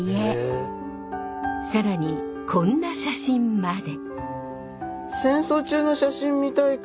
更にこんな写真まで！